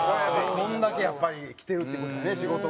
そんだけやっぱりきてるって事やね仕事もね。